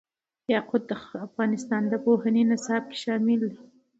یاقوت د افغانستان د پوهنې نصاب کې شامل دي.